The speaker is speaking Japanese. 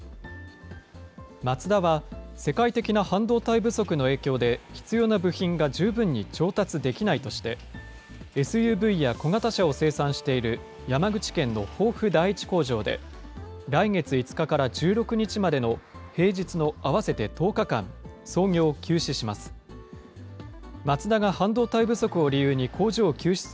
マツダは、世界的な半導体不足の影響で、必要な部品が十分に調達できないとして、ＳＵＶや小型車を生産している山口県の防府第１工場で、来月５日から１６日までの平日の合わせて１０日間、操業を休止します。